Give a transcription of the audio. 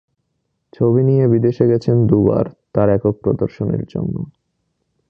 ছবি নিয়ে বিদেশে গেছেন দুবার তার একক প্রদর্শনীর জন্য।